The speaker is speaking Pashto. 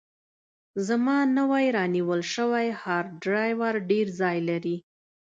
زما نوی رانیول شوی هارډ ډرایو ډېر ځای لري.